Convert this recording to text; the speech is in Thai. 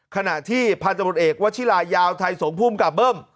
ขณะที่พันธบทเอกวชิลายาวไทยสงภูมิกับเบิ้ม